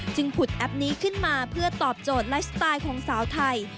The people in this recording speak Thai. ผุดแอปนี้ขึ้นมาเพื่อตอบโจทย์ไลฟ์สไตล์ของสาวไทย